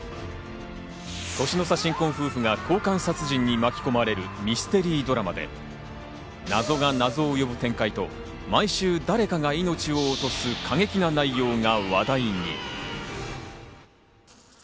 年の差・新婚夫婦が交換殺人に巻き込まれるミステリードラマで謎が謎を呼ぶ展開と、毎週、誰かが命を落とす過激な内容が話題に。